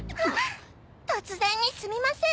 突然にすみません。